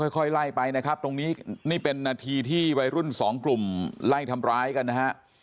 ค่อยไล่ไปนะครับตรงนี้นี่เป็นนาทีที่วัยรุ่นสองกลุ่มไล่ทำร้ายกันนะฮะ